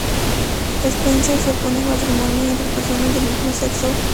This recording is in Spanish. Spencer se opone al matrimonio entre personas del mismo sexo.